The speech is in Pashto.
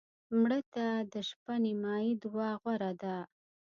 مړه ته د شپه نیمایي دعا غوره ده